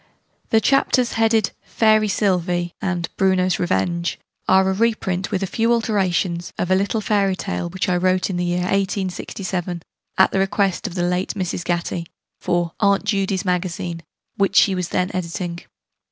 The Chapters, headed 'Fairy Sylvie' and 'Bruno's Revenge,' are a reprint, with a few alterations, of a little fairy tale which I wrote in the year 1867, at the request of the late Mrs. Gatty, for 'Aunt Judy's Magazine,' which she was then editing.